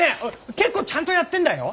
結構ちゃんとやってんだよ？